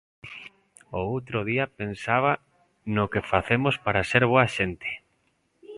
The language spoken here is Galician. O outro día pensaba no que facemos para ser boa xente.